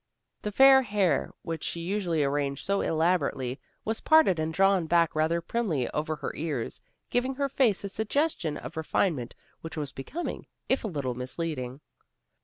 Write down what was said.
The fair hair which she usually arranged so elaborately, was parted and drawn back rather primly over her ears, giving her face a suggestion of refinement which was becoming, if a little misleading.